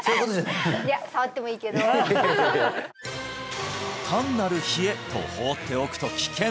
いや触ってもいいけど単なる冷えと放っておくと危険！